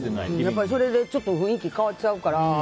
それで雰囲気変わっちゃうから。